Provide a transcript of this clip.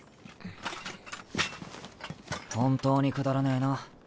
本当にくだらねえな。